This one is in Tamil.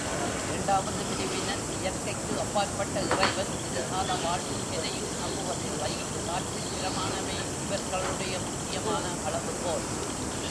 இரண்டாவது பிரிவினர் இயற்கைக்கு அப்பாற்பட்ட இறைவன், எதிர்கால வாழ்வு, எதையும் நம்புவதில்லை, காட்சிப் பிரமாணமே இவர்களுடைய முக்கியமான அளவுகோல்.